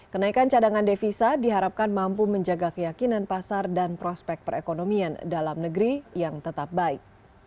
kenaikan cadangan devisa diharapkan mampu menjaga keyakinan pasar dan prospek perekonomian dalam negeri yang tetap baik